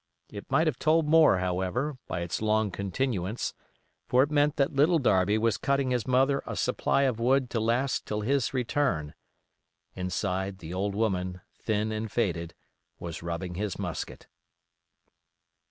It might have told more, however, by its long continuance; for it meant that Little Darby was cutting his mother a supply of wood to last till his return. Inside, the old woman, thin and faded, was rubbing his musket.